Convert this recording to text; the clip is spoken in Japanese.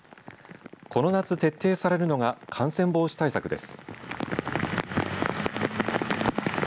この夏、徹底されるのが感染防止対策です。